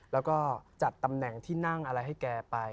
แล้วก็จัดตำแหน่งที่นั่งอะไรให้แกไป